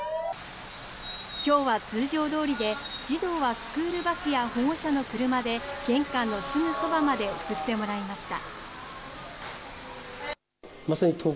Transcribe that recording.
今日は通常どおりで、児童はスクールバスや保護者の車で玄関のすぐそばまで送ってもらいました。